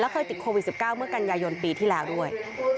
เคยติดโควิด๑๙เมื่อกันยายนปีที่แล้วด้วย